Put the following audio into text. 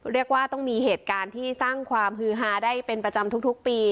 เรียกว่าต้องมีเหตุการณ์ที่สร้างความฮือฮาได้เป็นประจำทุกปี